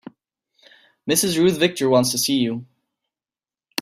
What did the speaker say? Mrs. Ruth Victor wants to see you.